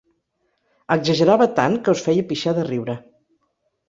Exagerava tant que us feia pixar de riure.